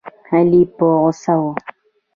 علي په غوسه و.